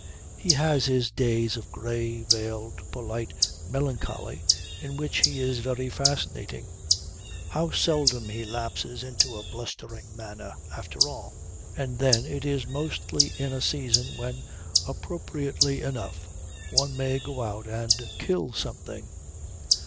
He has his days of grey, veiled, polite melancholy, in which he is very fascinating. How seldom he lapses into a blustering manner, after all! And then it is mostly in a season when, appropriately enough, one may go out and kill something.